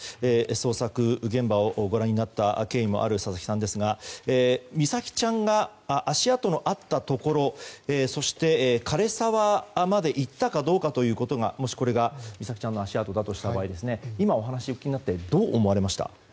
捜索現場をご覧になった経緯もある佐々木さんですが美咲ちゃんが足跡のあったところそして枯れ沢まで行ったかどうかということがもしこれが美咲ちゃんの足跡だった場合今お話をお聞きになってどう思われました？